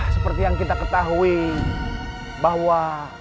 seperti yang kita ketahui bahwa